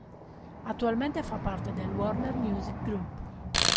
Attualmente fa parte del Warner Music Group.